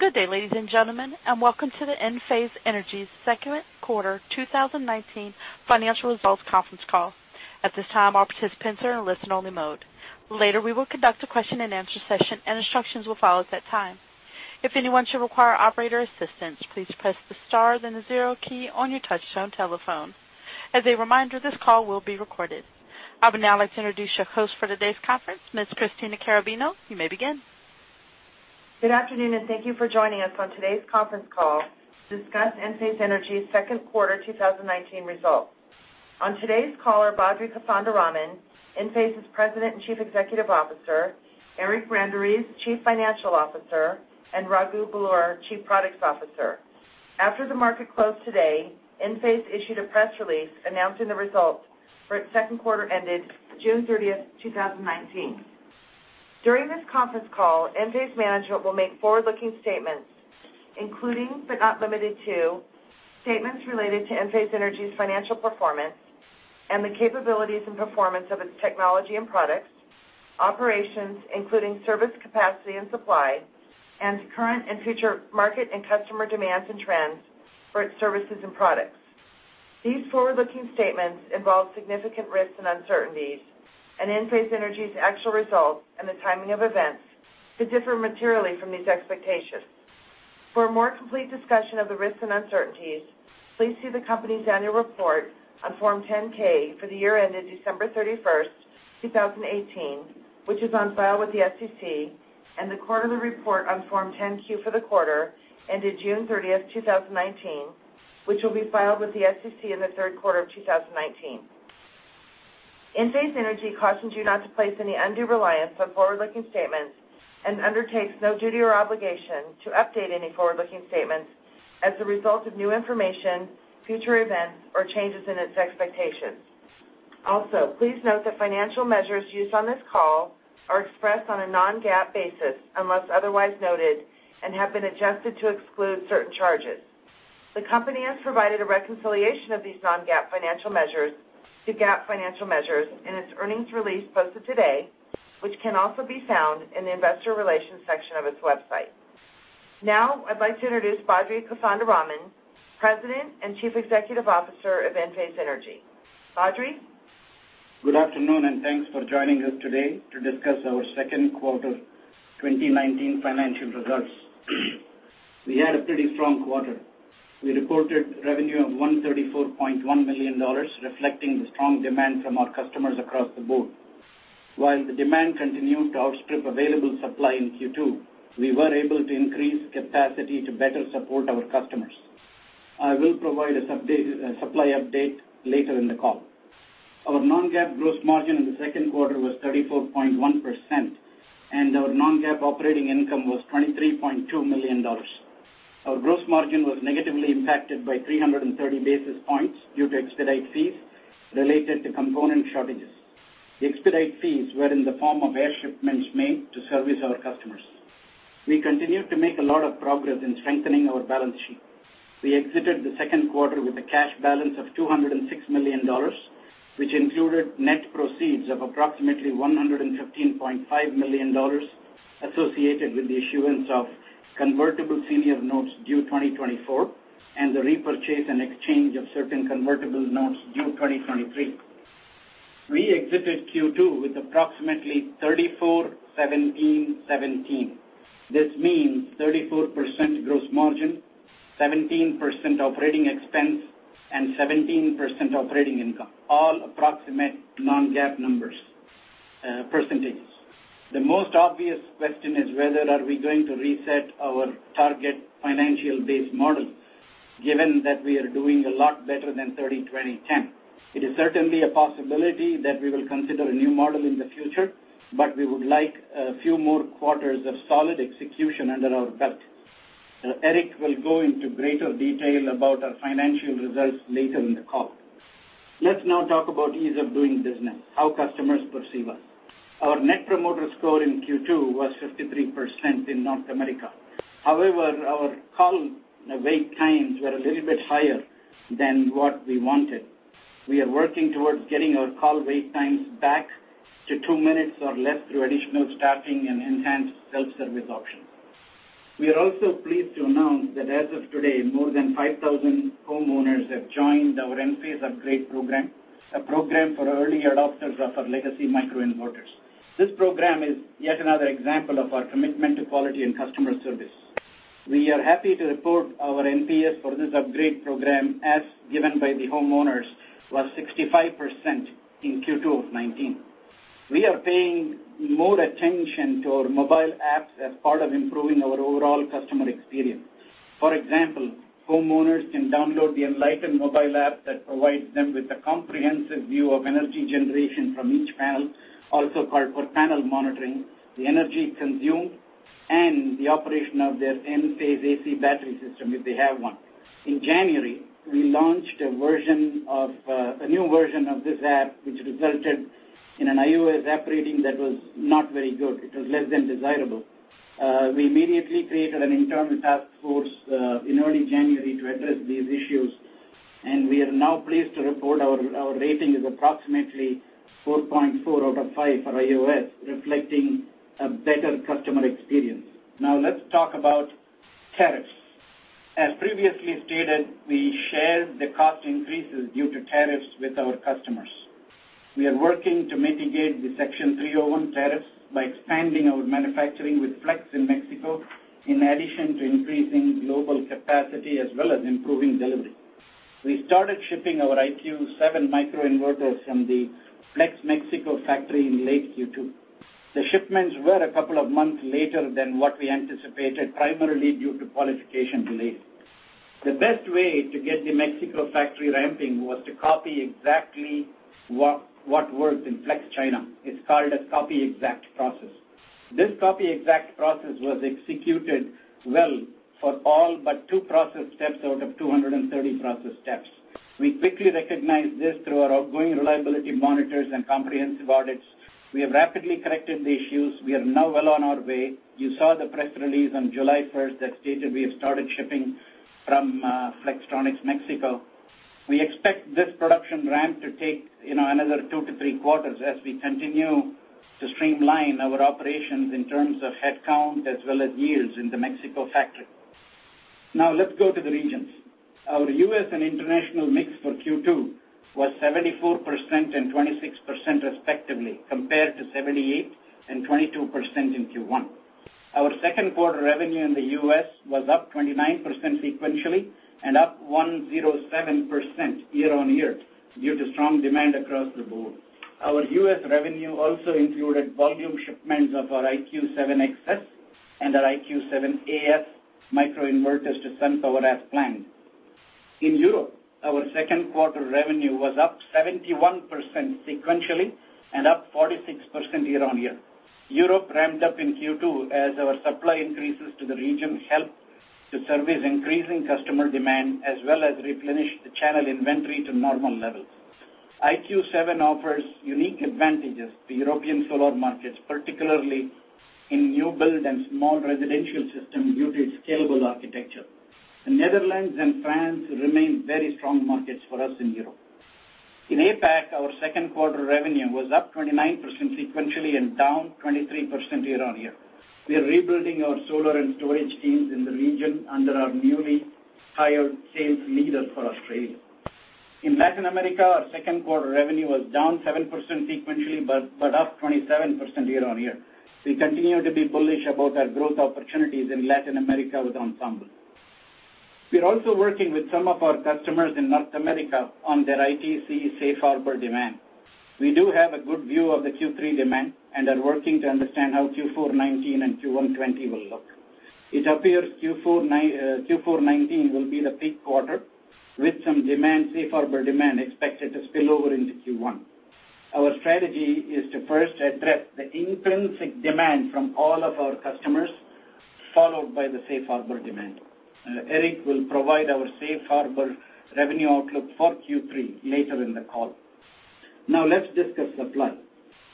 Good day, ladies and gentlemen, and welcome to the Enphase Energy second quarter 2019 financial results conference call. At this time, all participants are in listen-only mode. Later we will conduct a question and answer session and instructions will follow at that time. If anyone should require operator assistance, please press the star then the zero key on your touch-tone telephone. As a reminder, this call will be recorded. I would now like to introduce your host for today's conference, Ms. Christina Carrabino. You may begin. Good afternoon, and thank you for joining us on today's conference call to discuss Enphase Energy's second quarter 2019 results. On today's call are Badri Kothandaraman, Enphase's President and Chief Executive Officer, Eric Branderiz, Chief Financial Officer, and Raghu Belur, Chief Products Officer. After the market closed today, Enphase issued a press release announcing the results for its second quarter ended June 30th, 2019. During this conference call, Enphase management will make forward-looking statements, including but not limited to, statements related to Enphase Energy's financial performance and the capabilities and performance of its technology and products, operations, including service capacity and supply, and current and future market and customer demands and trends for its services and products. These forward-looking statements involve significant risks and uncertainties, and Enphase Energy's actual results and the timing of events could differ materially from these expectations. For a more complete discussion of the risks and uncertainties, please see the company's annual report on Form 10-K for the year ended December 31st, 2018, which is on file with the SEC, and the quarterly report on Form 10-Q for the quarter ended June 30th, 2019, which will be filed with the SEC in the third quarter of 2019. Enphase Energy cautions you not to place any undue reliance on forward-looking statements and undertakes no duty or obligation to update any forward-looking statements as a result of new information, future events, or changes in its expectations. Also, please note that financial measures used on this call are expressed on a non-GAAP basis unless otherwise noted and have been adjusted to exclude certain charges. The company has provided a reconciliation of these non-GAAP financial measures to GAAP financial measures in its earnings release posted today, which can also be found in the investor relations section of its website. I'd like to introduce Badri Kothandaraman, President and Chief Executive Officer of Enphase Energy. Badri? Good afternoon. Thanks for joining us today to discuss our second quarter 2019 financial results. We had a pretty strong quarter. We reported revenue of $134.1 million, reflecting the strong demand from our customers across the board. While the demand continued to outstrip available supply in Q2, we were able to increase capacity to better support our customers. I will provide a supply update later in the call. Our non-GAAP gross margin in the second quarter was 34.1%, and our non-GAAP operating income was $23.2 million. Our gross margin was negatively impacted by 330 basis points due to expedite fees related to component shortages. The expedite fees were in the form of air shipments made to service our customers. We continued to make a lot of progress in strengthening our balance sheet. We exited the second quarter with a cash balance of $206 million, which included net proceeds of approximately $115.5 million associated with the issuance of convertible senior notes due 2024 and the repurchase and exchange of certain convertible notes due 2023. We exited Q2 with approximately 34-17-17. This means 34% gross margin, 17% operating expense, and 17% operating income, all approximate non-GAAP numbers percentages. The most obvious question is whether are we going to reset our target financial base model, given that we are doing a lot better than 30-20-10. It is certainly a possibility that we will consider a new model in the future, but we would like a few more quarters of solid execution under our belt. Eric will go into greater detail about our financial results later in the call. Let's now talk about ease of doing business, how customers perceive us. Our Net Promoter Score in Q2 was 53% in North America. Our call wait times were a little bit higher than what we wanted. We are working towards getting our call wait times back to two minutes or less through additional staffing and enhanced self-service options. We are also pleased to announce that as of today, more than 5,000 homeowners have joined our Enphase Upgrade Program, a program for early adopters of our legacy microinverters. This program is yet another example of our commitment to quality and customer service. We are happy to report our NPS for this upgrade program, as given by the homeowners, was 65% in Q2 of 2019. We are paying more attention to our mobile apps as part of improving our overall customer experience. For example, homeowners can download the Enlighten mobile app that provides them with a comprehensive view of energy generation from each panel, also called per-panel monitoring, the energy consumed, and the operation of their Enphase AC battery system if they have one. In January, we launched a new version of this app, which resulted in an iOS app rating that was not very good. It was less than desirable. We immediately created an internal task force in early January to address these issues. We are now pleased to report our rating is approximately 4.4 out of 5 for iOS, reflecting a better customer experience. Now let's talk about tariffs. As previously stated, we share the cost increases due to tariffs with our customers. We are working to mitigate the Section 301 tariffs by expanding our manufacturing with Flex in Mexico, in addition to increasing global capacity as well as improving delivery. We started shipping our IQ7 microinverters from the Flex Mexico factory in late Q2. The shipments were a couple of months later than what we anticipated, primarily due to qualification delays. The best way to get the Mexico factory ramping was to copy exactly what worked in Flex China. It's called a copy-exact process. This copy-exact process was executed well for all but two process steps out of 230 process steps. We quickly recognized this through our ongoing reliability monitors and comprehensive audits. We have rapidly corrected the issues. We are now well on our way. You saw the press release on July 1st that stated we have started shipping from Flextronics, Mexico. We expect this production ramp to take another two to three quarters as we continue to streamline our operations in terms of headcount as well as yields in the Mexico factory. Let's go to the regions. Our U.S. and international mix for Q2 was 74% and 26% respectively, compared to 78% and 22% in Q1. Our second quarter revenue in the U.S. was up 29% sequentially and up 107% year-on-year, due to strong demand across the board. Our U.S. revenue also included volume shipments of our IQ7X and our IQ7A microinverters to SunPower as planned. In Europe, our second quarter revenue was up 71% sequentially and up 46% year-on-year. Europe ramped up in Q2 as our supply increases to the region helped to service increasing customer demand as well as replenish the channel inventory to normal levels. IQ7 offers unique advantages to European solar markets, particularly in new build and small residential systems due to its scalable architecture. The Netherlands and France remain very strong markets for us in Europe. In APAC, our second quarter revenue was up 29% sequentially and down 23% year-on-year. We are rebuilding our solar and storage teams in the region under our newly hired sales leader for Australia. In Latin America, our second quarter revenue was down 7% sequentially, but up 27% year-on-year. We continue to be bullish about our growth opportunities in Latin America with Ensemble. We are also working with some of our customers in North America on their ITC safe harbor demand. We do have a good view of the Q3 demand and are working to understand how Q4 2019 and Q1 2020 will look. It appears Q4 2019 will be the peak quarter, with some safe harbor demand expected to spill over into Q1. Our strategy is to first address the intrinsic demand from all of our customers, followed by the safe harbor demand. Eric will provide our safe harbor revenue outlook for Q3 later in the call. Let's discuss supply.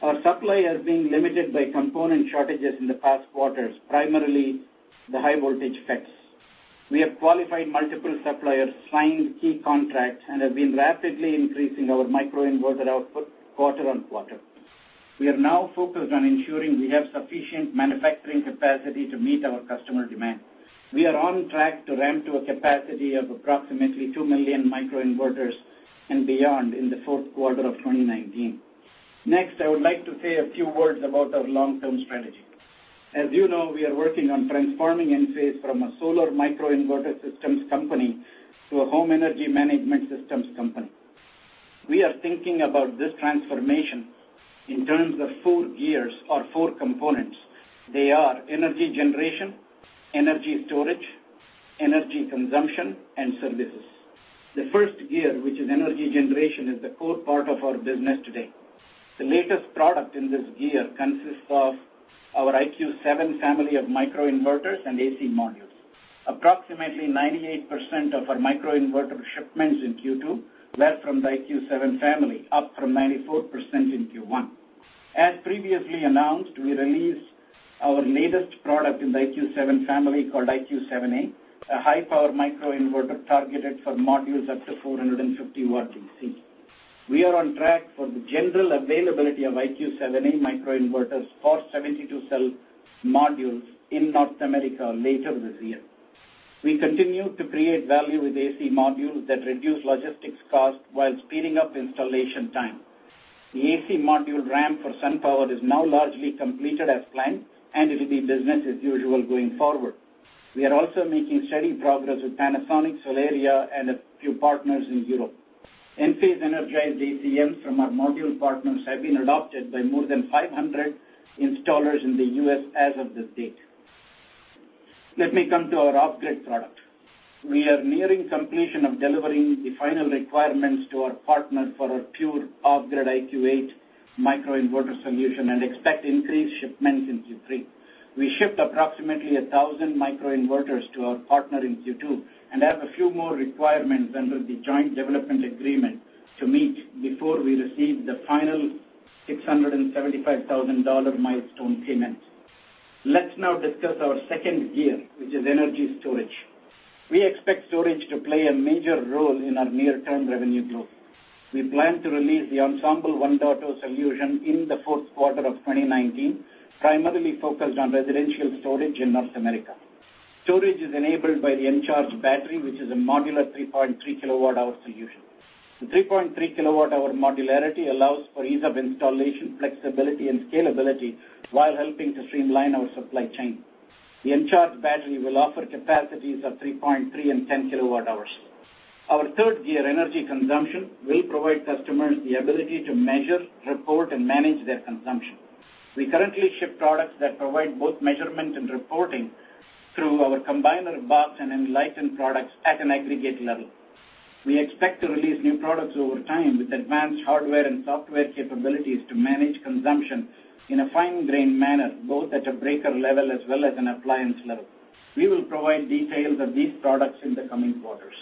Our supply has been limited by component shortages in the past quarters, primarily the high voltage FETs. We have qualified multiple suppliers, signed key contracts, and have been rapidly increasing our microinverter output quarter on quarter. We are now focused on ensuring we have sufficient manufacturing capacity to meet our customer demand. We are on track to ramp to a capacity of approximately 2 million microinverters and beyond in the fourth quarter of 2019. I would like to say a few words about our long-term strategy. As you know, we are working on transforming Enphase from a solar microinverter systems company to a home energy management systems company. We are thinking about this transformation in terms of four gears or four components. They are energy generation, energy storage, energy consumption, and services. The first gear, which is energy generation, is the core part of our business today. The latest product in this gear consists of our IQ7 family of microinverters and AC modules. Approximately 98% of our microinverter shipments in Q2 were from the IQ7 family, up from 94% in Q1. As previously announced, we released our latest product in the IQ7 family called IQ7A, a high-power microinverter targeted for modules up to 450 watts AC. We are on track for the general availability of IQ7A microinverters for 72-cell modules in North America later this year. We continue to create value with AC modules that reduce logistics cost while speeding up installation time. The AC module ramp for SunPower is now largely completed as planned, and it'll be business as usual going forward. We are also making steady progress with Panasonic, Solaria, and a few partners in Europe. Enphase Energized AC Modules from our module partners have been adopted by more than 500 installers in the U.S. as of this date. Let me come to our off-grid product. We are nearing completion of delivering the final requirements to our partner for our pure off-grid IQ8 microinverter solution and expect increased shipments in Q3. We shipped approximately 1,000 microinverters to our partner in Q2 and have a few more requirements under the joint development agreement to meet before we receive the final $675,000 milestone payment. Let's now discuss our second gear, which is energy storage. We expect storage to play a major role in our near-term revenue growth. We plan to release the Ensemble 1.0 solution in the fourth quarter of 2019, primarily focused on residential storage in North America. Storage is enabled by the Encharge battery, which is a modular 3.3 kilowatt-hour solution. The 3.3 kilowatt-hour modularity allows for ease of installation, flexibility, and scalability while helping to streamline our supply chain. The Encharge battery will offer capacities of 3.3 and 10 kilowatt hours. Our third gear, energy consumption, will provide customers the ability to measure, report, and manage their consumption. We currently ship products that provide both measurement and reporting through our Combiner Box and Enlighten products at an aggregate level. We expect to release new products over time with advanced hardware and software capabilities to manage consumption in a fine-grained manner, both at a breaker level as well as an appliance level. We will provide details of these products in the coming quarters.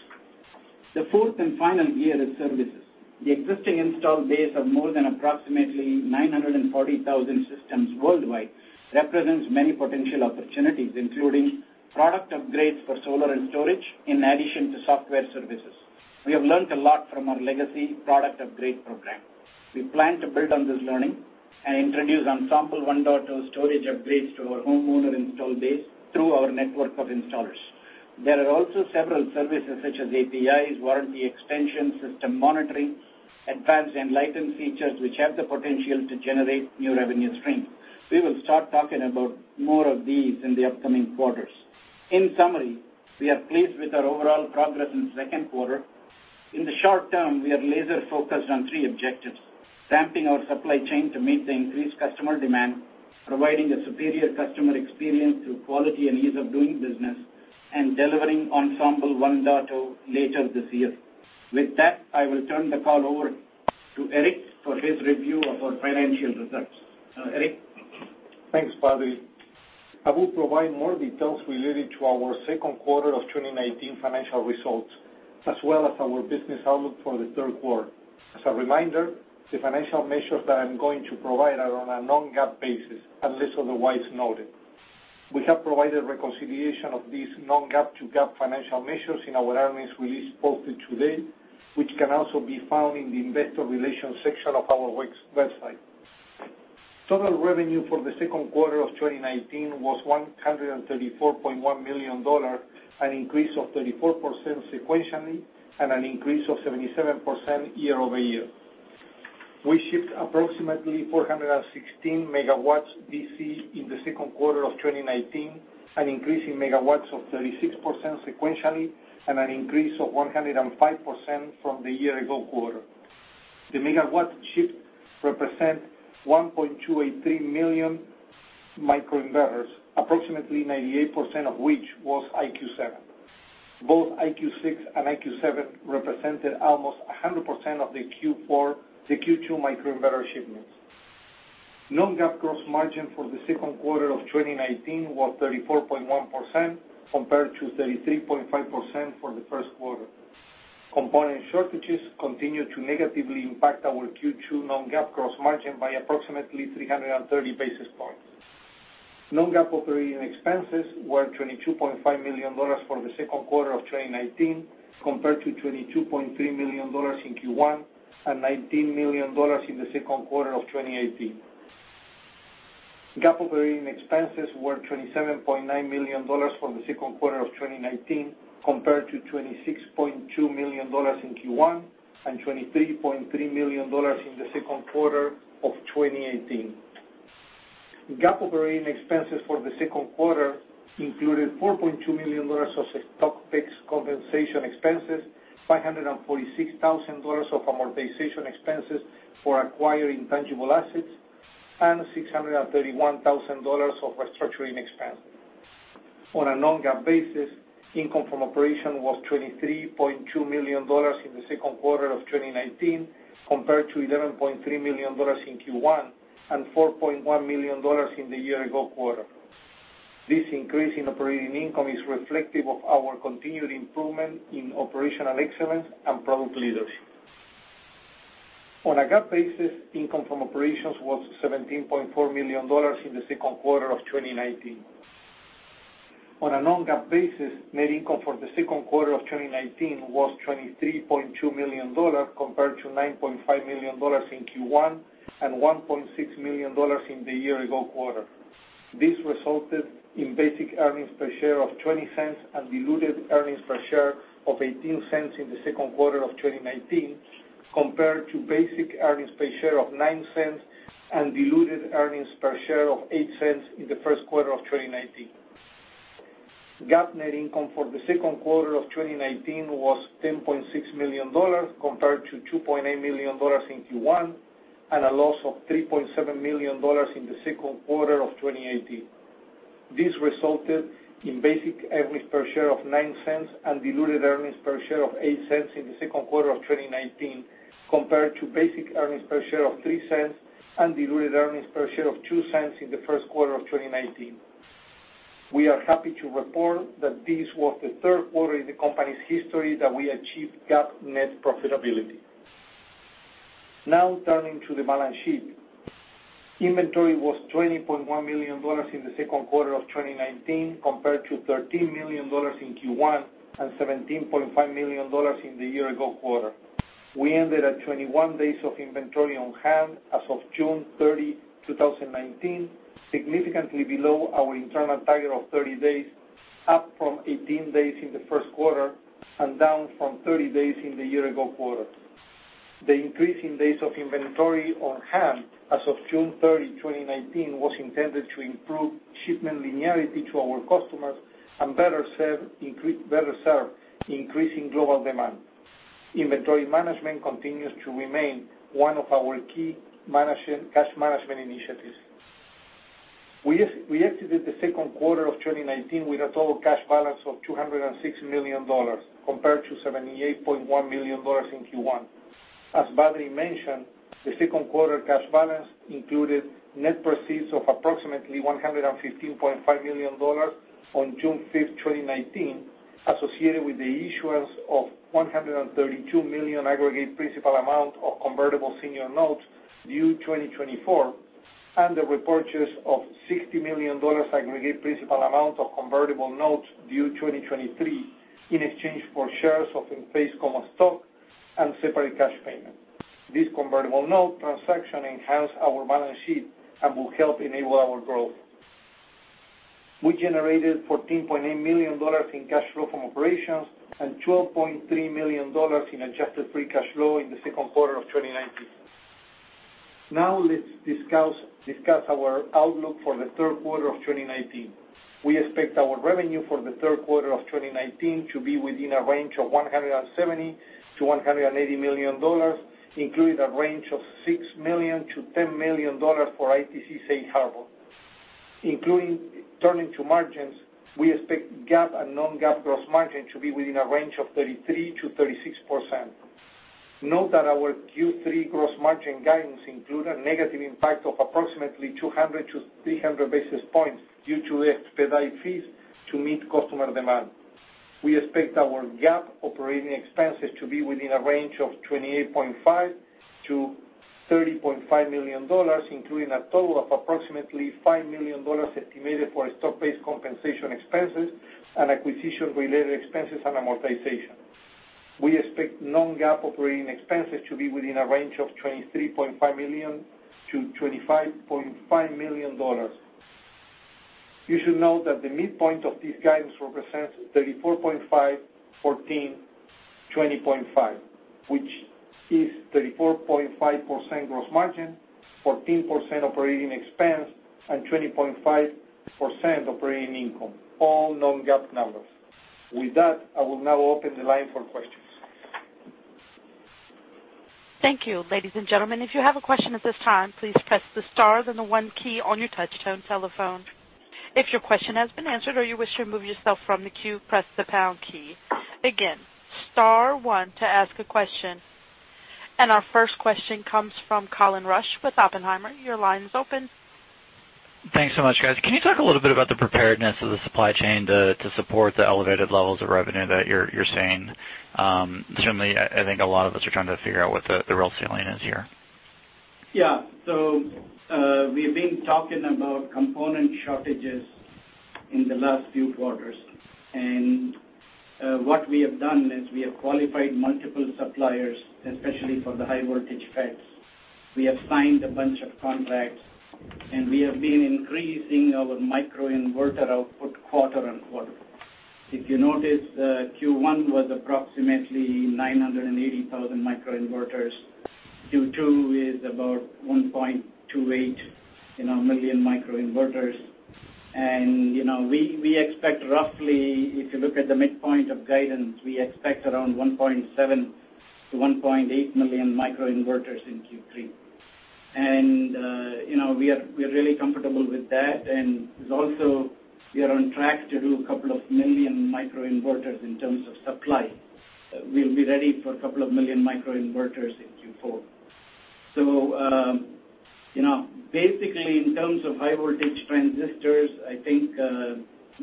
The fourth and final gear is services. The existing installed base of more than approximately 940,000 systems worldwide represents many potential opportunities, including product upgrades for solar and storage, in addition to software services. We have learned a lot from our legacy product upgrade program. We plan to build on this learning and introduce Ensemble 1.0 storage upgrades to our homeowner installed base through our network of installers. There are also several services such as APIs, warranty extension, system monitoring, advanced Enlighten features, which have the potential to generate new revenue streams. We will start talking about more of these in the upcoming quarters. In summary, we are pleased with our overall progress in the second quarter. In the short term, we are laser-focused on three objectives: ramping our supply chain to meet the increased customer demand, providing a superior customer experience through quality and ease of doing business, and delivering Ensemble 1.0 later this year. With that, I will turn the call over to Eric for his review of our financial results. Eric? Thanks, Badri. I will provide more details related to our second quarter of 2019 financial results, as well as our business outlook for the third quarter. As a reminder, the financial measures that I'm going to provide are on a non-GAAP basis, unless otherwise noted. We have provided reconciliation of these non-GAAP to GAAP financial measures in our earnings release posted today, which can also be found in the investor relations section of our website. Total revenue for the second quarter of 2019 was $134.1 million, an increase of 34% sequentially and an increase of 77% year-over-year. I shipped approximately 416 megawatts DC in the second quarter of 2019, an increase in megawatts of 36% sequentially and an increase of 105% from the year-ago quarter. The megawatt shipped represent 1.283 million microinverters, approximately 98% of which was IQ7. Both IQ6 and IQ7 represented almost 100% of the Q2 microinverter shipments. non-GAAP gross margin for the second quarter of 2019 was 34.1%, compared to 33.5% for the first quarter. Component shortages continued to negatively impact our Q2 non-GAAP gross margin by approximately 330 basis points. non-GAAP operating expenses were $22.5 million for the second quarter of 2019, compared to $22.3 million in Q1 and $19 million in the second quarter of 2018. GAAP operating expenses were $27.9 million for the second quarter of 2019, compared to $26.2 million in Q1 and $23.3 million in the second quarter of 2018. GAAP operating expenses for the second quarter included $4.2 million of stock-based compensation expenses, $546,000 of amortization expenses for acquiring tangible assets, and $631,000 of restructuring expense. On a non-GAAP basis, income from operation was $23.2 million in the second quarter of 2019, compared to $11.3 million in Q1 and $4.1 million in the year-ago quarter. This increase in operating income is reflective of our continued improvement in operational excellence and product leadership. On a GAAP basis, income from operations was $17.4 million in the second quarter of 2019. On a non-GAAP basis, net income for the second quarter of 2019 was $23.2 million, compared to $9.5 million in Q1 and $1.6 million in the year-ago quarter. This resulted in basic earnings per share of $0.20 and diluted earnings per share of $0.18 in the second quarter of 2019, compared to basic earnings per share of $0.09 and diluted earnings per share of $0.08 in the first quarter of 2019. GAAP net income for the second quarter of 2019 was $10.6 million, compared to $2.8 million in Q1 and a loss of $3.7 million in the second quarter of 2018. This resulted in basic earnings per share of $0.09 and diluted earnings per share of $0.08 in the second quarter of 2019, compared to basic earnings per share of $0.03 and diluted earnings per share of $0.02 in the first quarter of 2019. We are happy to report that this was the third quarter in the company's history that we achieved GAAP net profitability. Now turning to the balance sheet. Inventory was $20.1 million in the second quarter of 2019, compared to $13 million in Q1 and $17.5 million in the year ago quarter. We ended at 21 days of inventory on hand as of June 30, 2019, significantly below our internal target of 30 days, up from 18 days in the first quarter, and down from 30 days in the year ago quarter. The increase in days of inventory on hand as of June 30, 2019, was intended to improve shipment linearity to our customers and better serve increasing global demand. Inventory management continues to remain one of our key cash management initiatives. We exited the second quarter of 2019 with a total cash balance of $206 million compared to $78.1 million in Q1. As Badri mentioned, the second quarter cash balance included net proceeds of approximately $115.5 million on June 5, 2019, associated with the issuance of $132 million aggregate principal amount of convertible senior notes due 2024, and the repurchase of $60 million aggregate principal amount of convertible notes due 2023, in exchange for shares of Enphase common stock and separate cash payment. This convertible note transaction enhanced our balance sheet and will help enable our growth. We generated $14.8 million in cash flow from operations and $12.3 million in adjusted free cash flow in the second quarter of 2019. Let's discuss our outlook for the third quarter of 2019. We expect our revenue for the third quarter of 2019 to be within a range of $170 million-$180 million, including a range of $6 million-$10 million for ITC safe harbor. Turning to margins, we expect GAAP and non-GAAP gross margin to be within a range of 33%-36%. Note that our Q3 gross margin guidance include a negative impact of approximately 200-300 basis points due to expedited fees to meet customer demand. We expect our GAAP operating expenses to be within a range of $28.5 million-$30.5 million, including a total of approximately $5 million estimated for stock-based compensation expenses and acquisition-related expenses and amortization. We expect non-GAAP operating expenses to be within a range of $23.5 million-$25.5 million. You should note that the midpoint of this guidance represents 34.5%, 14%, 20.5%, which is 34.5% gross margin, 14% operating expense, and 20.5% operating income, all non-GAAP numbers. With that, I will now open the line for questions. Thank you. Ladies and gentlemen, if you have a question at this time, please press the star then the one key on your touch-tone telephone. If your question has been answered or you wish to remove yourself from the queue, press the pound key. Again, star one to ask a question. Our first question comes from Colin Rusch with Oppenheimer. Your line is open. Thanks so much, guys. Can you talk a little bit about the preparedness of the supply chain to support the elevated levels of revenue that you're seeing? Certainly, I think a lot of us are trying to figure out what the real ceiling is here. Yeah. We've been talking about component shortages in the last few quarters. What we have done is we have qualified multiple suppliers, especially for the high voltage FETs. We have signed a bunch of contracts, and we have been increasing our microinverter output quarter on quarter. If you notice, Q1 was approximately 980,000 microinverters. Q2 is about 1.28 million microinverters. We expect roughly, if you look at the midpoint of guidance, we expect around 1.7 million-1.8 million microinverters in Q3. Also, we are on track to do a couple of million microinverters in terms of supply. We'll be ready for a couple of million microinverters in Q4. Basically, in terms of high voltage transistors, I think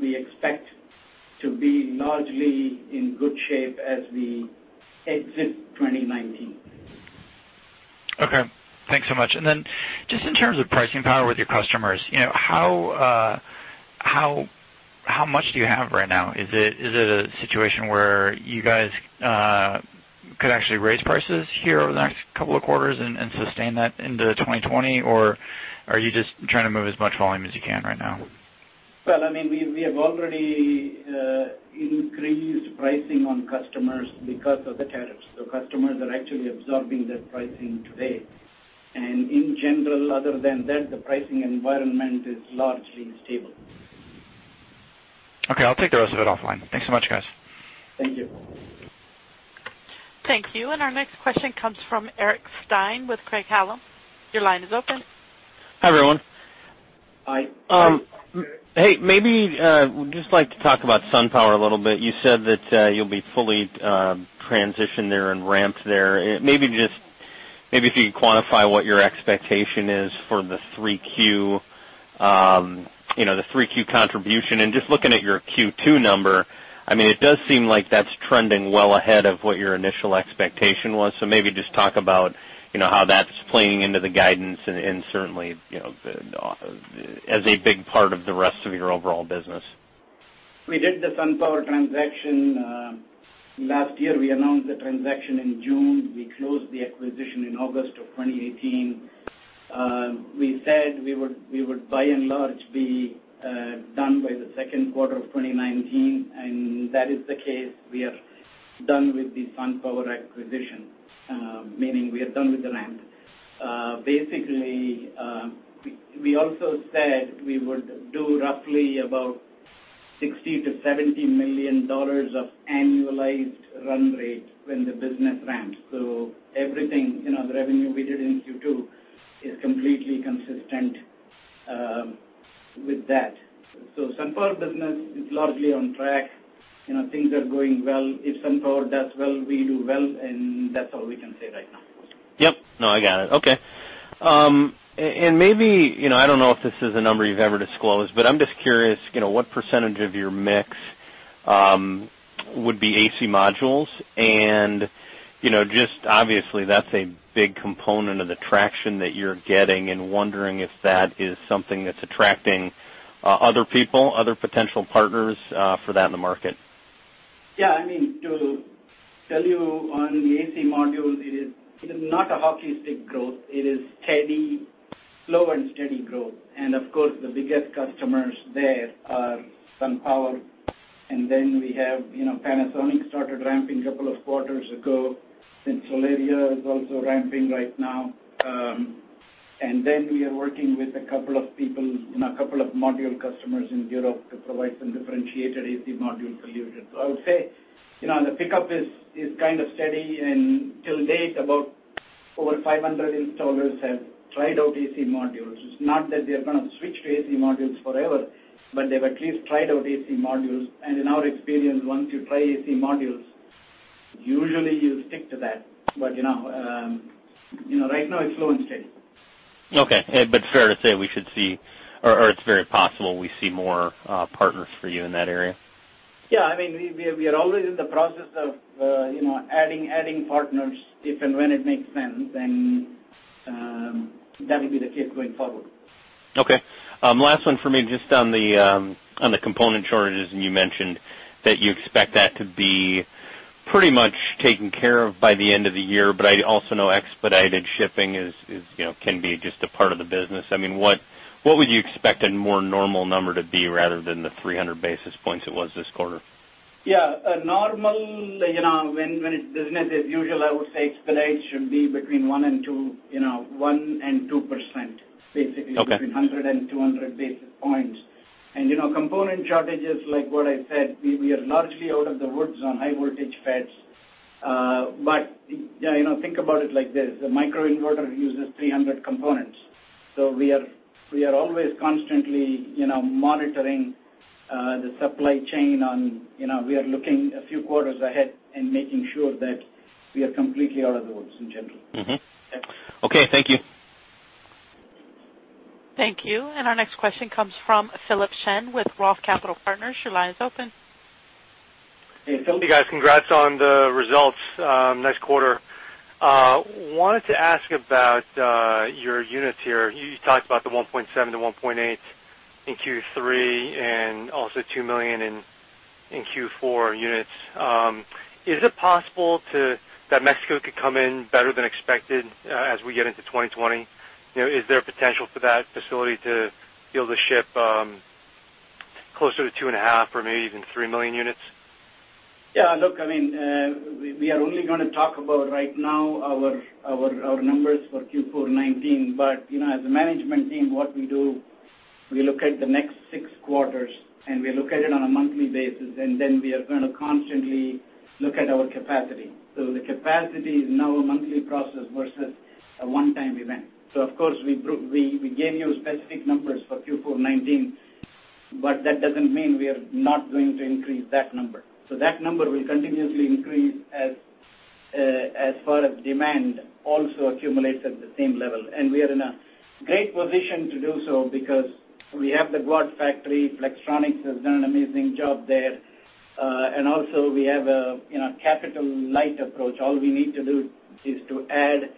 we expect to be largely in good shape as we exit 2019. Okay. Thanks so much. Just in terms of pricing power with your customers, how much do you have right now? Is it a situation where you guys could actually raise prices here over the next couple of quarters and sustain that into 2020? Are you just trying to move as much volume as you can right now? Well, we have already increased pricing on customers because of the tariffs. Customers are actually absorbing that pricing today. In general, other than that, the pricing environment is largely stable. Okay. I'll take the rest of it offline. Thanks so much, guys. Thank you. Thank you. Our next question comes from Eric Stine with Craig-Hallum. Your line is open. Hi, everyone. Hi, Eric. Hey. Maybe we'd just like to talk about SunPower a little bit. You said that you'll be fully transitioned there and ramped there. Maybe if you could quantify what your expectation is for the 3Q contribution, and just looking at your Q2 number, it does seem like that's trending well ahead of what your initial expectation was. Maybe just talk about how that's playing into the guidance and certainly, as a big part of the rest of your overall business. We did the SunPower transaction last year. We announced the transaction in June. We closed the acquisition in August of 2018. We said we would, by and large, be done by the second quarter of 2019, and that is the case. We are done with the SunPower acquisition, meaning we are done with the ramp. Basically, we also said we would do roughly about $60 million-$70 million of annualized run rate when the business ramps. Everything, the revenue we did in Q2, is completely consistent with that. SunPower business is largely on track. Things are going well. If SunPower does well, we do well, and that's all we can say right now. Yep. No, I got it. Okay. Maybe, I don't know if this is a number you've ever disclosed, but I'm just curious, what % of your mix would be AC modules? Just obviously, that's a big component of the traction that you're getting and wondering if that is something that's attracting other people, other potential partners for that in the market. Yeah. To tell you on the AC modules, it is not a hockey stick growth. It is steady, slow and steady growth. Of course, the biggest customers there are SunPower, and then we have Panasonic started ramping a couple of quarters ago. Solaria is also ramping right now. Then we are working with a couple of people, a couple of module customers in Europe to provide some differentiated AC module solutions. I would say, the pickup is kind of steady, and till date about over 500 installers have tried out AC modules. It's not that they're going to switch to AC modules forever, but they've at least tried out AC modules. In our experience, once you try AC modules, usually you stick to that. Right now it's slow and steady. Okay. Fair to say we should see, or it's very possible we see more partners for you in that area. Yeah. We are always in the process of adding partners if and when it makes sense, and that will be the case going forward. Okay. Last one for me, just on the component shortages, and you mentioned that you expect that to be pretty much taken care of by the end of the year, but I also know expedited shipping can be just a part of the business. What would you expect a more normal number to be rather than the 300 basis points it was this quarter? Yeah. A normal, when business is usual, I would say expedite should be between 1% and 2%, basically. Okay. Between 100 and 200 basis points. Component shortages, like what I said, we are largely out of the woods on high voltage FETs. Think about it like this. The microinverter uses 300 components. We are always constantly monitoring the supply chain and we are looking a few quarters ahead and making sure that we are completely out of the woods in general. Yeah. Okay. Thank you. Thank you. Our next question comes from Philip Shen with ROTH Capital Partners. Your line is open. Hey, Philip. Hey, guys. Congrats on the results. Nice quarter. Wanted to ask about your units here. You talked about the 1.7-1.8 in Q3 and also 2 million in Q4 units. Is it possible that Mexico could come in better than expected as we get into 2020? Is there potential for that facility to be able to ship closer to two and a half or maybe even 3 million units? Yeah, look, we are only going to talk about right now our numbers for Q4 2019. As a management team, what we do, we look at the next six quarters, and we look at it on a monthly basis, and then we are going to constantly look at our capacity. The capacity is now a monthly process versus a one-time event. Of course, we gave you specific numbers for Q4 2019, but that doesn't mean we are not going to increase that number. That number will continuously increase as far as demand also accumulates at the same level. We are in a great position to do so because we have the Guadalajara factory. Flex has done an amazing job there. Also we have a capital-light approach. All we need to do is to add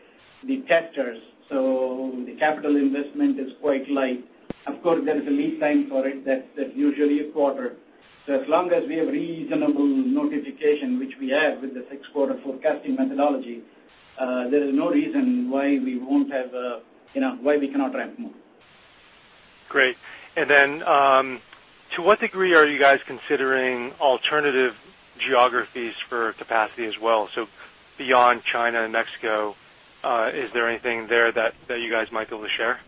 the testers. The capital investment is quite light. Of course, there is a lead time for it that's usually a quarter. As long as we have reasonable notification, which we have with the six-quarter forecasting methodology, there is no reason why we cannot ramp more. Great. To what degree are you guys considering alternative geographies for capacity as well? Beyond China and Mexico, is there anything there that you guys might be able to share?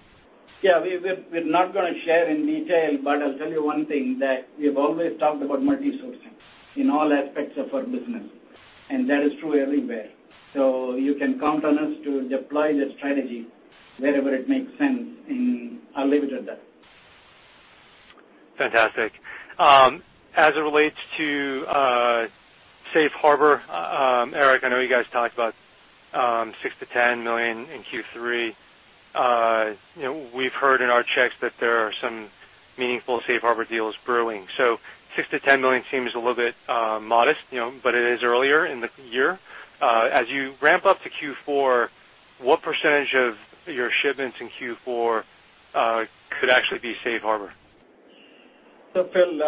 Yeah. We're not going to share in detail, but I'll tell you one thing, that we've always talked about multi-sourcing in all aspects of our business. That is true everywhere. You can count on us to deploy the strategy wherever it makes sense, and I'll leave it at that. Fantastic. As it relates to Safe Harbor, Eric, I know you guys talked about $6 million-$10 million in Q3. We've heard in our checks that there are some meaningful Safe Harbor deals brewing. $6 million-$10 million seems a little bit modest, but it is earlier in the year. As you ramp up to Q4, what % of your shipments in Q4 could actually be Safe Harbor? Phil,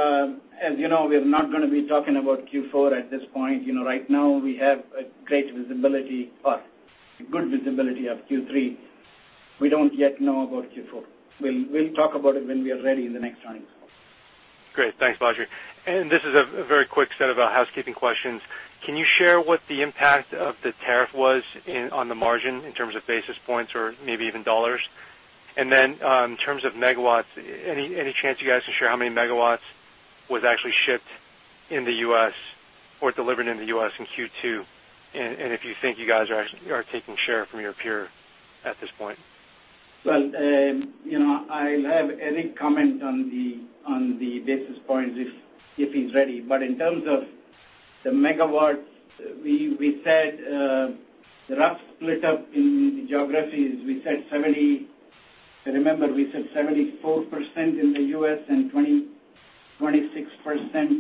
as you know, we're not going to be talking about Q4 at this point. Right now, we have a great visibility or good visibility of Q3. We don't yet know about Q4. We'll talk about it when we are ready in the next earnings call. Great. Thanks, Badri. This is a very quick set of housekeeping questions. Can you share what the impact of the tariff was on the margin in terms of basis points or maybe even dollars? In terms of megawatts, any chance you guys can share how many megawatts was actually shipped in the U.S. or delivered in the U.S. in Q2? If you think you guys are taking share from your peer at this point? Well, I'll have Eric comment on the basis points if he's ready. In terms of the megawatts, we said the rough split up in the geographies, if you remember, we said 74% in the U.S. and 26%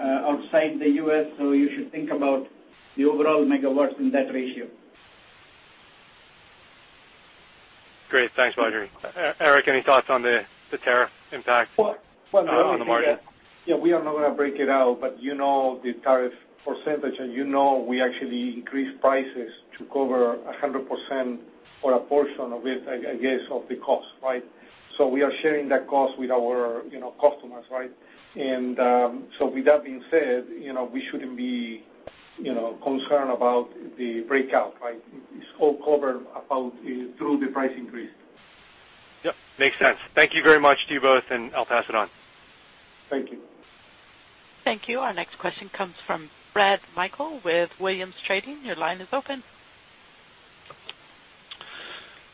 outside the U.S., so you should think about the overall megawatts in that ratio. Great. Thanks, Badri. Eric, any thoughts on the tariff impact? Well- on the margin? Yeah, we are not going to break it out. You know the tariff percentage and you know we actually increased prices to cover 100% or a portion of it, I guess of the cost, right? We are sharing that cost with our customers. With that being said, we shouldn't be concerned about the breakout. It's all covered through the price increase. Yep, makes sense. Thank you very much to you both, and I'll pass it on. Thank you. Thank you. Our next question comes from Brad Meikle with Williams Trading. Your line is open.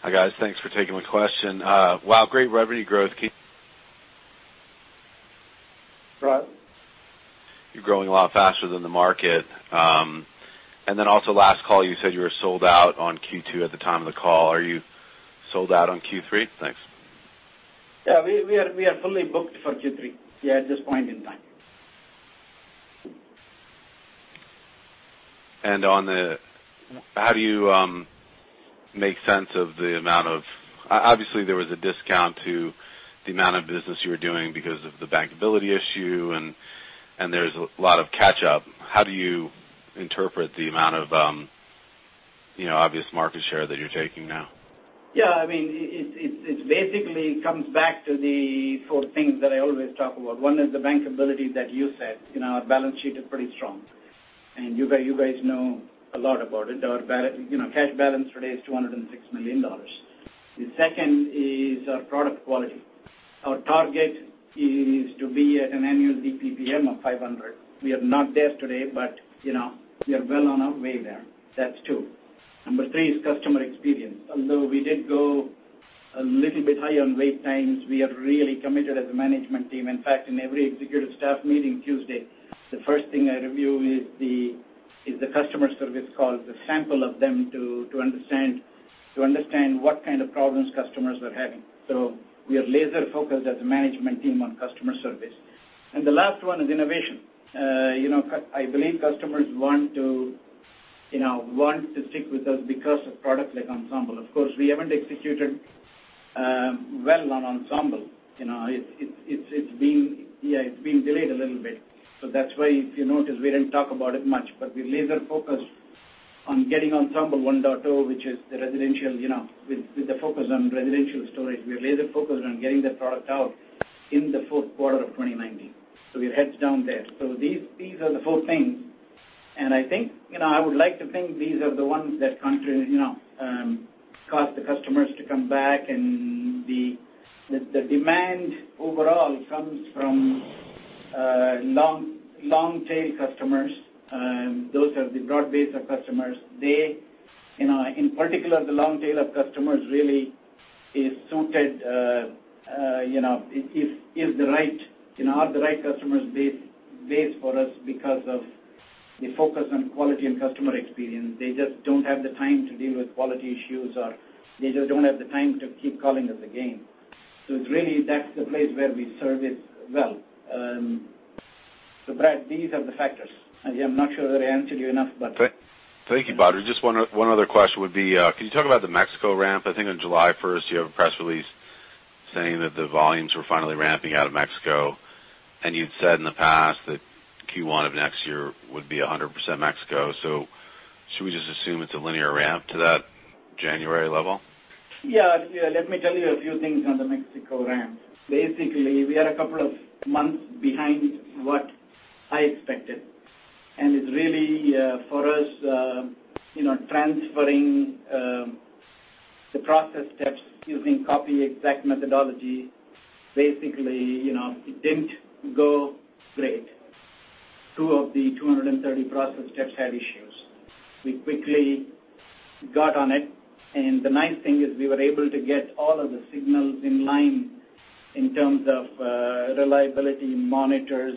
Hi, guys. Thanks for taking my question. Wow, great revenue growth. Brad? You're growing a lot faster than the market. Last call, you said you were sold out on Q2 at the time of the call. Are you sold out on Q3? Thanks. Yeah. We are fully booked for Q3, yeah, at this point in time. How do you make sense of the amount of. Obviously, there was a discount to the amount of business you were doing because of the bankability issue, and there's a lot of catch up. How do you interpret the amount of obvious market share that you're taking now? Yeah. It basically comes back to the four things that I always talk about. One is the bankability that you said. Our balance sheet is pretty strong, and you guys know a lot about it. Our cash balance today is $206 million. The second is our product quality. Our target is to be at an annual DPPM of 500. We are not there today, but we are well on our way there. That's two. Number three is customer experience. Although we did go a little bit high on wait times, we are really committed as a management team. In fact, in every executive staff meeting Tuesday, the first thing I review is the customer service calls, a sample of them to understand what kind of problems customers are having. We are laser-focused as a management team on customer service. The last one is innovation. I believe customers want to stick with us because of products like Ensemble. Of course, we haven't executed well on Ensemble. It's been delayed a little bit. That's why you notice we didn't talk about it much, but we're laser-focused on getting Ensemble 1.0, which is the residential, with the focus on residential storage. We are laser-focused on getting that product out in the fourth quarter of 2019. We are heads down there. These are the four things, and I would like to think these are the ones that cause the customers to come back, and the demand overall comes from long-tail customers. Those are the broad base of customers. In particular, the long tail of customers really is suited, are the right customer base for us because of the focus on quality and customer experience. They just don't have the time to deal with quality issues, or they just don't have the time to keep calling us again. It's really, that's the place where we service well. Brad, these are the factors, and I'm not sure that I answered you enough. Thank you, Badri. Just one other question would be, can you talk about the Mexico ramp? I think on July 1st, you have a press release saying that the volumes were finally ramping out of Mexico, and you'd said in the past that Q1 of next year would be 100% Mexico. Should we just assume it's a linear ramp to that January level? Yeah. Let me tell you a few things on the Mexico ramp. We are a couple of months behind what I expected, it's really, for us, transferring the process steps using copy-exact methodology. Basically, it didn't go great. Two of the 230 process steps had issues. We quickly got on it, the nice thing is we were able to get all of the signals in line in terms of reliability monitors,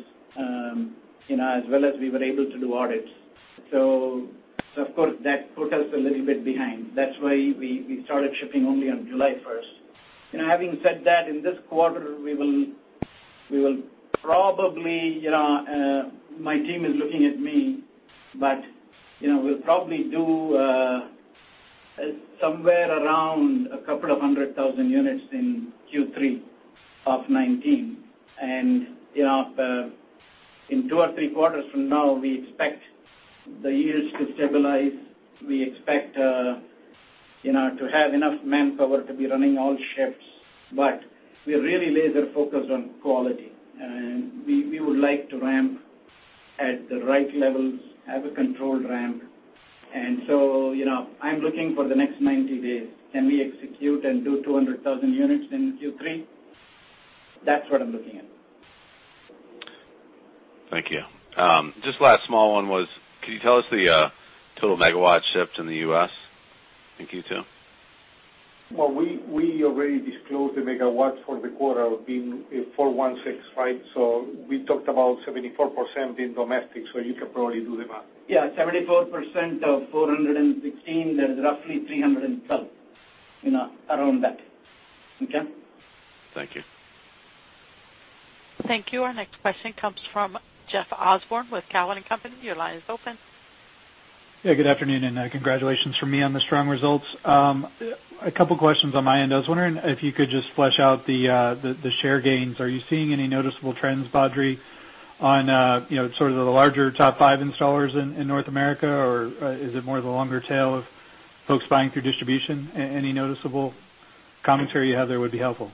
as well as we were able to do audits. Of course, that put us a little bit behind. That's why we started shipping only on July 1st. Having said that, in this quarter, my team is looking at me, we'll probably do somewhere around a couple of hundred thousand units in Q3 of 2019. In two or three quarters from now, we expect the yields to stabilize. We expect to have enough manpower to be running all shifts. We are really laser focused on quality, and we would like to ramp at the right levels, have a controlled ramp. I'm looking for the next 90 days. Can we execute and do 200,000 units in Q3? That's what I'm looking at. Thank you. Just last small one was, can you tell us the total megawatts shipped in the U.S. in Q2? Well, we already disclosed the megawatts for the quarter being 416 MW. We talked about 74% being domestic, so you can probably do the math. Yeah, 74% of 416, there's roughly 312, around that. Okay. Thank you. Thank you. Our next question comes from Jeff Osborne with Cowen and Company. Your line is open. Good afternoon, and congratulations from me on the strong results. A couple questions on my end. I was wondering if you could just flesh out the share gains. Are you seeing any noticeable trends, Badri, on sort of the larger top 5 installers in North America, or is it more the longer tail of folks buying through distribution? Any noticeable commentary you have there would be helpful.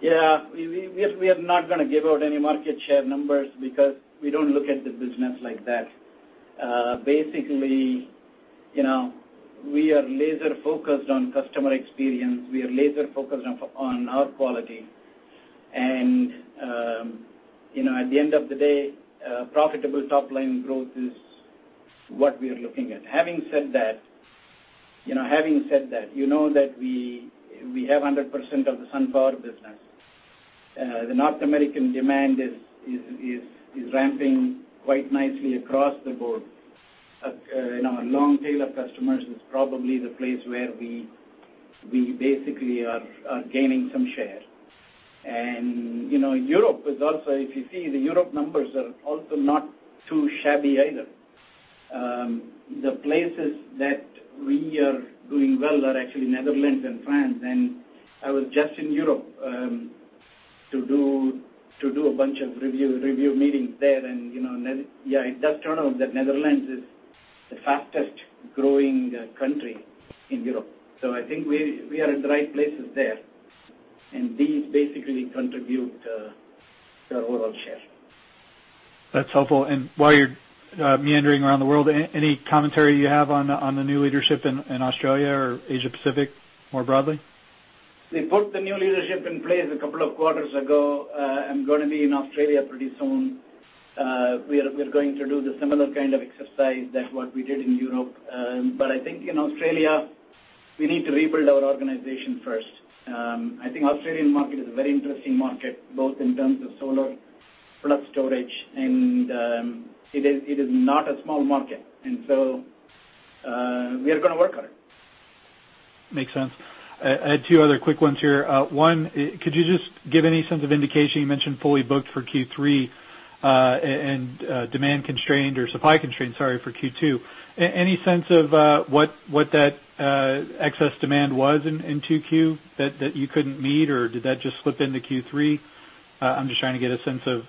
Yeah. We are not going to give out any market share numbers because we don't look at the business like that. Basically, we are laser focused on customer experience. We are laser focused on our quality. At the end of the day, profitable top-line growth is what we are looking at. Having said that, you know that we have 100% of the SunPower business. The North American demand is ramping quite nicely across the board. In our long tail of customers is probably the place where we basically are gaining some share. If you see, the Europe numbers are also not too shabby either. The places that we are doing well are actually Netherlands and France. I was just in Europe, to do a bunch of review meetings there. It does turn out that Netherlands is the fastest-growing country in Europe. I think we are in the right places there. These basically contribute to our overall share. That's helpful. While you're meandering around the world, any commentary you have on the new leadership in Australia or Asia Pacific more broadly? We put the new leadership in place a couple of quarters ago. I'm going to be in Australia pretty soon. We're going to do the similar kind of exercise that what we did in Europe. I think in Australia, we need to rebuild our organization first. I think Australian market is a very interesting market, both in terms of solar plus storage. It is not a small market. We are going to work on it. Makes sense. I had two other quick ones here. One, could you just give any sense of indication, you mentioned fully booked for Q3, and demand constrained or supply constrained, sorry, for Q2. Any sense of what that excess demand was in 2Q that you couldn't meet, or did that just slip into Q3? I'm just trying to get a sense of,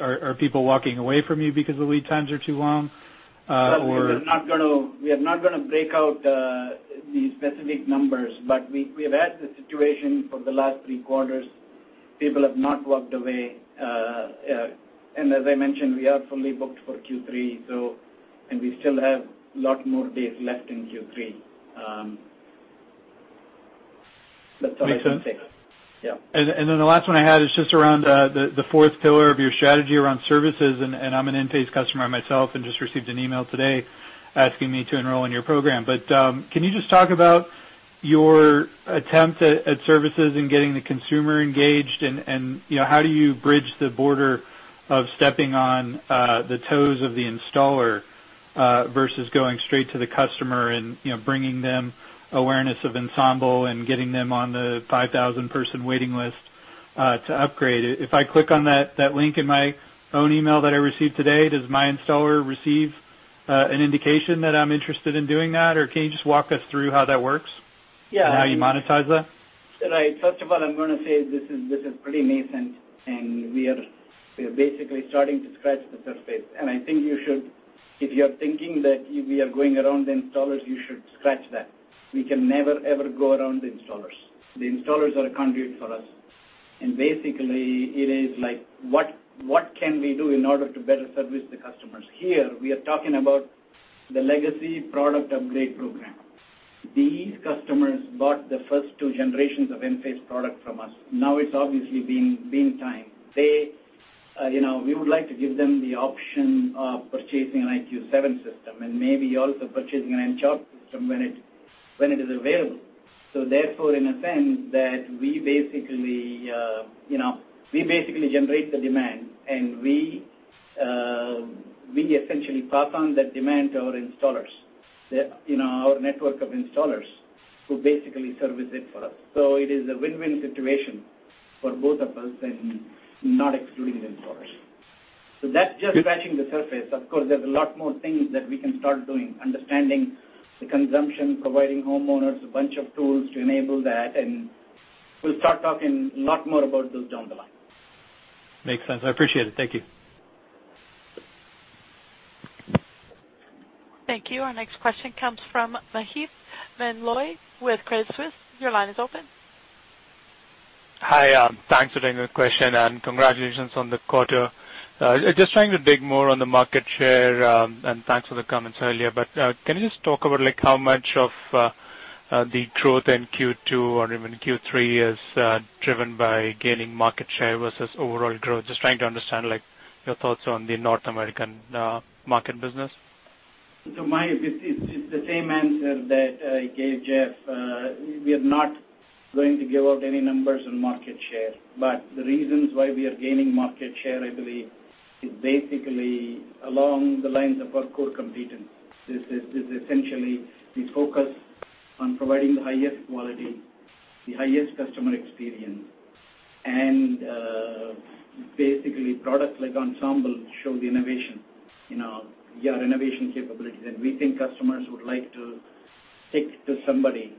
are people walking away from you because the lead times are too long? We are not going to break out the specific numbers, but we've had the situation for the last three quarters. People have not walked away. As I mentioned, we are fully booked for Q3, and we still have a lot more days left in Q3. That's all I can say. Makes sense. Yeah. The last one I had is just around the fourth pillar of your strategy around services, and I'm an Enphase customer myself and just received an email today asking me to enroll in your program. Can you just talk about your attempt at services and getting the consumer engaged and, how do you bridge the border of stepping on the toes of the installer, versus going straight to the customer and bringing them awareness of Ensemble and getting them on the 5,000-person waiting list to upgrade. If I click on that link in my own email that I received today, does my installer receive an indication that I'm interested in doing that, or can you just walk us through how that works? Yeah. How you monetize that? Right. First of all, I'm going to say this is pretty nascent, and we are basically starting to scratch the surface. I think if you are thinking that we are going around the installers, you should scratch that. We can never, ever go around the installers. The installers are a conduit for us. Basically, it is like, what can we do in order to better service the customers? Here, we are talking about the legacy product upgrade program. These customers bought the first two generations of Enphase product from us. Now it's obviously been time. We would like to give them the option of purchasing an IQ7 system and maybe also purchasing an Encharge system when it is available. Therefore, in a sense, we basically generate the demand, and we essentially pass on that demand to our installers, our network of installers, who basically service it for us. It is a win-win situation for both of us and not excluding the installers. That's just scratching the surface. Of course, there's a lot more things that we can start doing, understanding the consumption, providing homeowners a bunch of tools to enable that, and we'll start talking a lot more about those down the line. Makes sense. I appreciate it. Thank you. Thank you. Our next question comes from Maheep Mandloi with Credit Suisse. Your line is open. Hi. Thanks for taking the question, congratulations on the quarter. Just trying to dig more on the market share, thanks for the comments earlier. Can you just talk about how much of the growth in Q2 or even Q3 is driven by gaining market share versus overall growth? Just trying to understand your thoughts on the North American market business. Maheep, it's the same answer that I gave Jeff. We are not going to give out any numbers on market share. The reasons why we are gaining market share, I believe, is basically along the lines of our core competence. This is essentially the focus on providing the highest quality, the highest customer experience. Basically, products like Ensemble show the innovation, our innovation capabilities. We think customers would like to stick to somebody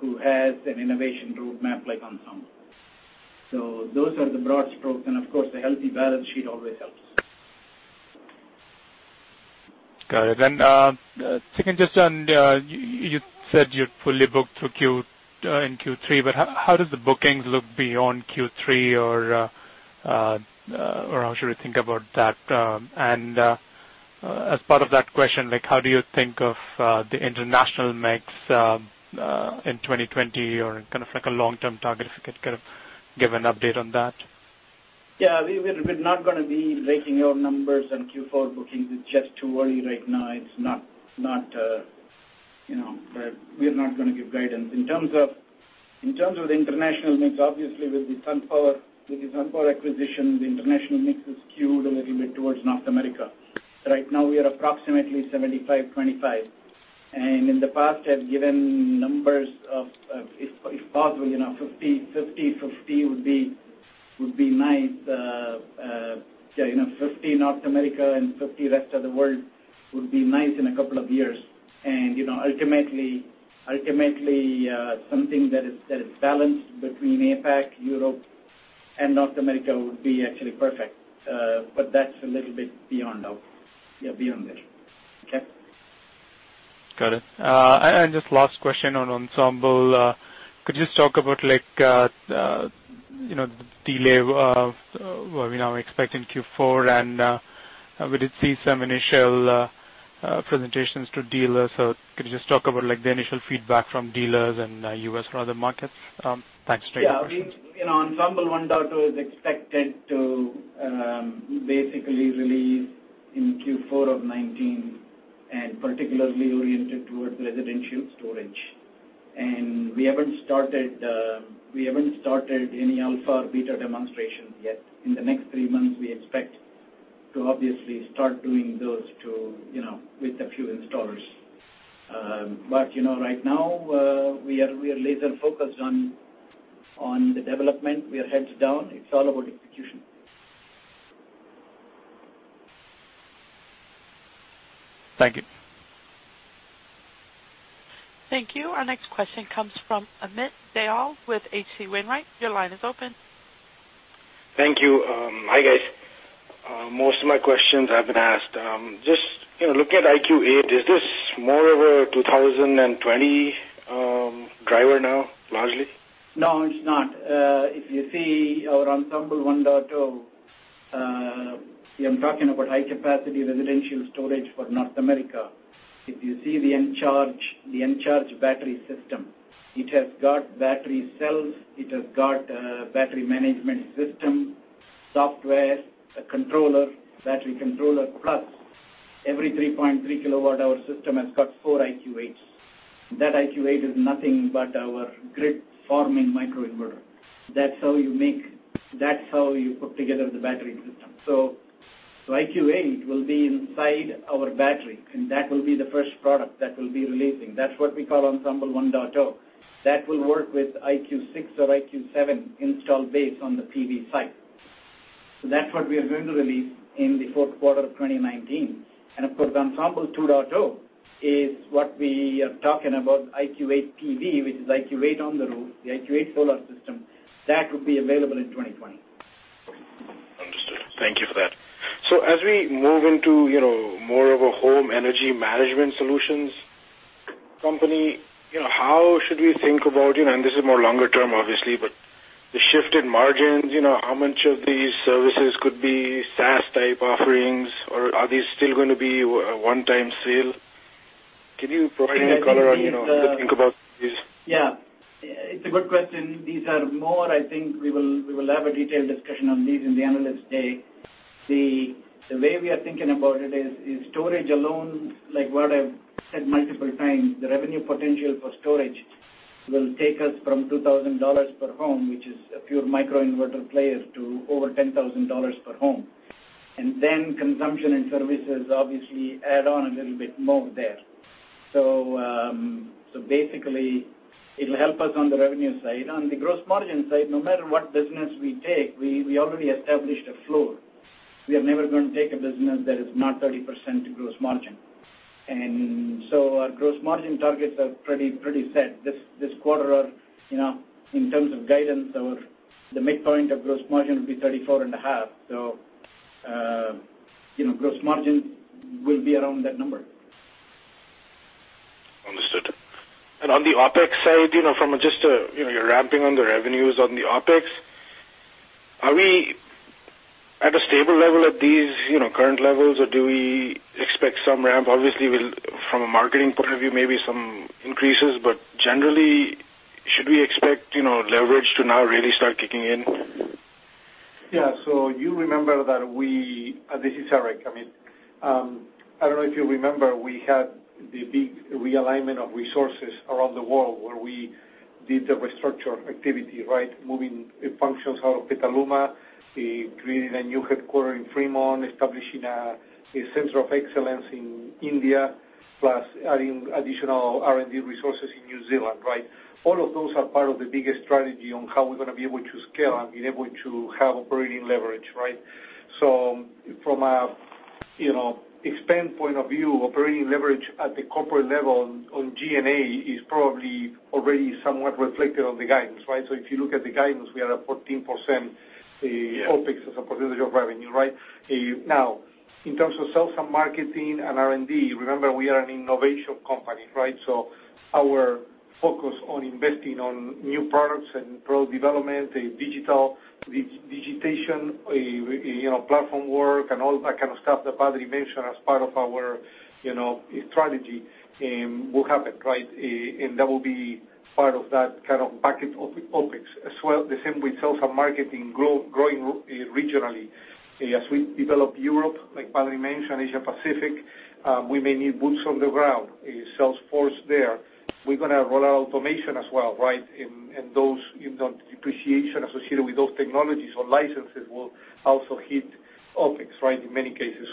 who has an innovation roadmap like Ensemble. Those are the broad strokes, and of course, a healthy balance sheet always helps. Got it. Second, just on, you said you're fully booked in Q3, but how does the bookings look beyond Q3 or how should we think about that? As part of that question, how do you think of the international mix in 2020 or kind of like a long-term target, if you could kind of give an update on that? Yeah. We're not going to be breaking out numbers on Q4 bookings. It's just too early right now. We're not going to give guidance. In terms of the international mix, obviously, with the SunPower acquisition, the international mix is skewed a little bit towards North America. Right now, we are approximately 75/25, and in the past, I've given numbers of, if possible, 50/50 would be nice. 50 North America and 50 rest of the world would be nice in a couple of years. Ultimately, something that is balanced between APAC, Europe, and North America would be actually perfect. That's a little bit beyond there. Okay? Got it. Just last question on Ensemble. Could you just talk about the delay of what we now expect in Q4, and we did see some initial presentations to dealers. Could you just talk about the initial feedback from dealers in the U.S. and other markets? Thanks. Three questions. Yeah. Ensemble 1.0 is expected to basically release in Q4 of 2019, and particularly oriented towards residential storage. We haven't started any alpha or beta demonstrations yet. In the next three months, we expect to obviously start doing those with a few installers. Right now, we are laser-focused on the development. We are heads down. It's all about execution. Thank you. Thank you. Our next question comes from Amit Dayal with H.C. Wainwright. Your line is open. Thank you. Hi, guys. Most of my questions have been asked. Just looking at IQ8, is this more of a 2020 driver now, largely? No, it's not. If you see our Ensemble 1.0, I'm talking about high-capacity residential storage for North America. If you see the Encharge battery system, it has got battery cells, it has got a battery management system, software, a battery controller, plus every 3.3 kWh system has got four IQ8s. That IQ8 is nothing but our grid-forming microinverter. That's how you put together the battery system. IQ8 will be inside our battery, and that will be the first product that we'll be releasing. That's what we call Ensemble 1.0. That will work with IQ6 or IQ7 install base on the PV side. That's what we are going to release in the fourth quarter of 2019. Of course, Ensemble 2.0 is what we are talking about, IQ8 PV, which is IQ8 on the roof, the IQ8 solar system. That would be available in 2020. Understood. Thank you for that. As we move into more of a home energy management solutions company, how should we think about, and this is more longer term, obviously, the shift in margins, how much of these services could be SaaS type offerings, or are these still going to be a one-time sale? Can you provide any color on how to think about these? Yeah. It's a good question. These are more, I think we will have a detailed discussion on these in the Analyst Day. The way we are thinking about it is, storage alone, like what I've said multiple times, the revenue potential for storage will take us from $2,000 per home, which is a pure microinverter player, to over $10,000 per home. Consumption and services obviously add on a little bit more there. Basically, it'll help us on the revenue side. On the gross margin side, no matter what business we take, we already established a floor. We are never going to take a business that is not 30% gross margin. Our gross margin targets are pretty set. This quarter, in terms of guidance, the midpoint of gross margin will be 34.5%. Gross margin will be around that number. Understood. On the OpEx side, from just you're ramping on the revenues on the OpEx. Are we at a stable level at these current levels, or do we expect some ramp? Obviously, from a marketing point of view, maybe some increases, but generally, should we expect leverage to now really start kicking in? Yeah. This is Eric. I don't know if you remember, we had the big realignment of resources around the world where we did the restructure activity, right? Moving functions out of Petaluma, creating a new headquarter in Fremont, establishing a center of excellence in India, plus adding additional R&D resources in New Zealand, right? All of those are part of the bigger strategy on how we're going to be able to scale and be able to have operating leverage, right? From an expand point of view, operating leverage at the corporate level on G&A is probably already somewhat reflected on the guidance, right? If you look at the guidance, we are at 14% OpEx as a percentage of revenue, right? Now, in terms of sales and marketing and R&D, remember, we are an innovation company, right? Our focus on investing on new products and product development, digitization, platform work, and all that kind of stuff that Badri mentioned as part of our strategy will happen, right? That will be part of that kind of bucket of OpEx. As well, the same with sales and marketing growing regionally. As we develop Europe, like Badri mentioned, Asia Pacific, we may need boots on the ground, a sales force there. We're going to roll out automation as well, right? Those depreciation associated with those technologies or licenses will also hit OpEx, right, in many cases.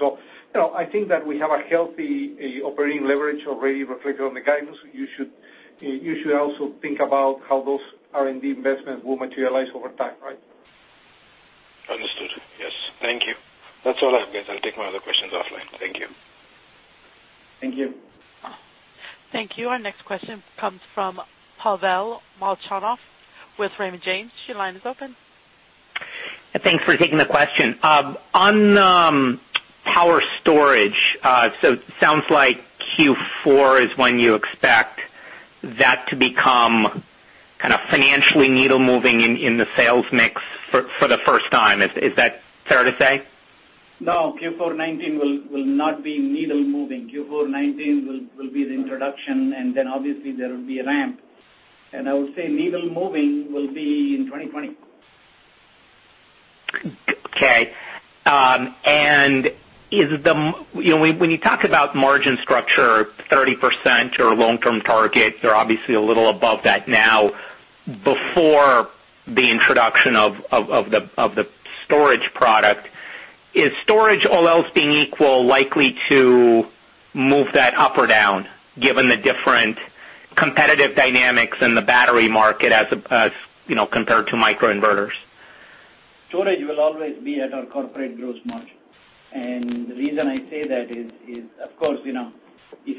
I think that we have a healthy operating leverage already reflected on the guidance. You should also think about how those R&D investments will materialize over time, right? Understood. Yes. Thank you. That's all I have, guys. I'll take my other questions offline. Thank you. Thank you. Thank you. Our next question comes from Pavel Molchanov with Raymond James. Your line is open. Thanks for taking the question. On power storage, sounds like Q4 is when you expect that to become kind of financially needle-moving in the sales mix for the first time. Is that fair to say? No, Q4 2019 will not be needle-moving. Q4 2019 will be the introduction, and then obviously there will be a ramp. I would say needle-moving will be in 2020. Okay. When you talk about margin structure, 30% your long-term target, you're obviously a little above that now before the introduction of the storage product. Is storage, all else being equal, likely to move that up or down given the different competitive dynamics in the battery market as compared to microinverters? Storage will always be at our corporate gross margin. The reason I say that is, of course, this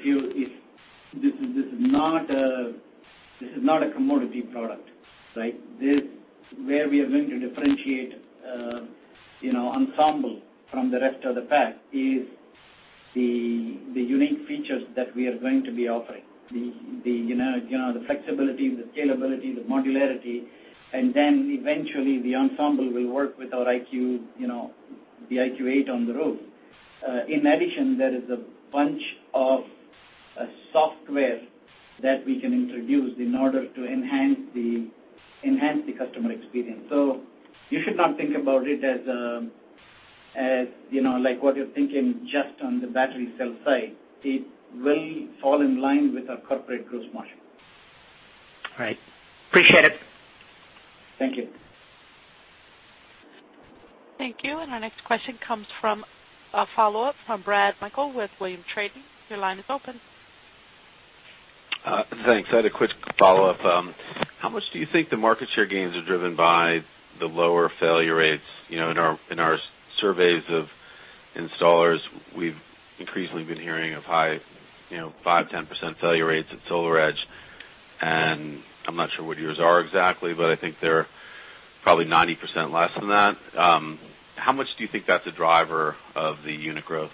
is not a commodity product, right? Where we are going to differentiate Ensemble from the rest of the pack is the unique features that we are going to be offering. The flexibility, the scalability, the modularity, and then eventually the Ensemble will work with our IQ8 on the roof. In addition, there is a bunch of software that we can introduce in order to enhance the customer experience. You should not think about it as like what you're thinking just on the battery cell side. It will fall in line with our corporate gross margin. All right. Appreciate it. Thank you. Thank you. Our next question comes from a follow-up from Brad Meikle with Williams Trading. Your line is open. Thanks. I had a quick follow-up. How much do you think the market share gains are driven by the lower failure rates? In our surveys of installers, we've increasingly been hearing of high, 5%, 10% failure rates at SolarEdge, and I'm not sure what yours are exactly, but I think they're probably 90% less than that. How much do you think that's a driver of the unit growth?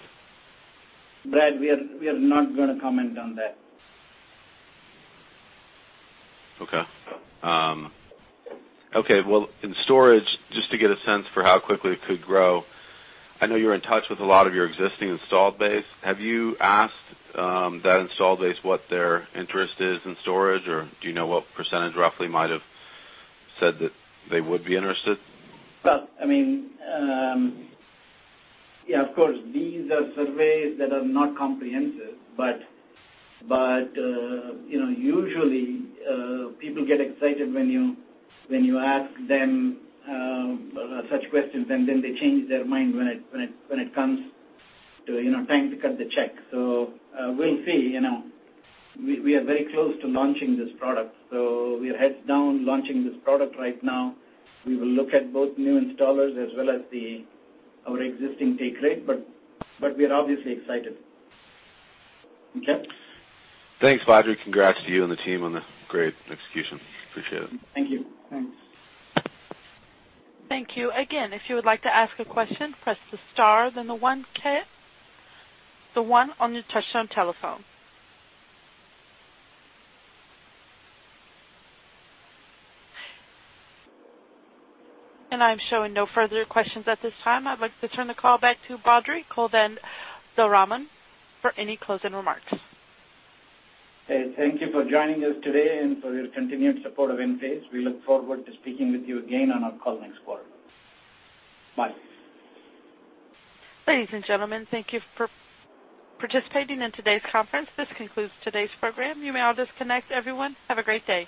Brad, we are not going to comment on that. Okay. Well, in storage, just to get a sense for how quickly it could grow, I know you're in touch with a lot of your existing installed base. Have you asked that installed base what their interest is in storage, or do you know what % roughly might have said that they would be interested? Well, yeah, of course, these are surveys that are not comprehensive, but usually, people get excited when you ask them such questions, and then they change their mind when it comes to time to cut the check. We'll see. We are very close to launching this product, so we are heads down launching this product right now. We will look at both new installers as well as our existing take rate, but we're obviously excited. Okay? Thanks, Badri. Congrats to you and the team on the great execution. Appreciate it. Thank you. Thanks. Thank you. Again, if you would like to ask a question, press the star, then the one on your touch-tone telephone. I'm showing no further questions at this time. I'd like to turn the call back to Badri Kothandaraman for any closing remarks. Hey, thank you for joining us today and for your continued support of Enphase. We look forward to speaking with you again on our call next quarter. Bye. Ladies and gentlemen, thank you for participating in today's conference. This concludes today's program. You may all disconnect, everyone. Have a great day.